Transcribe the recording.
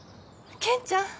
健ちゃん？